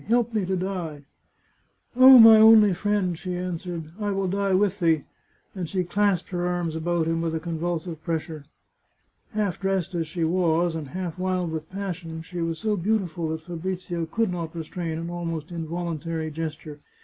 Help me to die !"" Oh, my only friend," she answered, " I will die with thee !" and she clasped her arms about him with a convulsive pressure. Half dressed as she was, and half wild with passion, she was so beautiful that Fabrizio could not restrain an almost involuntary gesture.